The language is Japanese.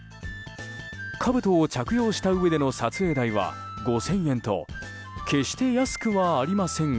かぶとを着用したうえでの撮影代は５０００円と決して安くはありませんが。